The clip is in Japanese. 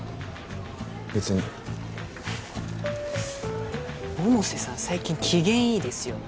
別に百瀬さん最近機嫌いいですよね